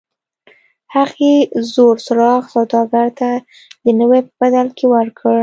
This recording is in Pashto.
هغې زوړ څراغ سوداګر ته د نوي په بدل کې ورکړ.